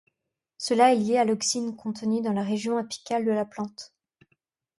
Cela est lié à l'auxine contenue dans la région apicale de la plante.